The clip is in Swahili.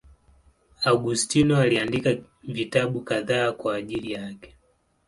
Augustino aliandika vitabu kadhaa kwa ajili yake.